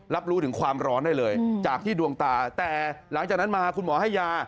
รับรู้ถึงความร้อนได้เลยจากที่ดวงตาแต่หลังจากนั้นมาคุณหมอให้ยา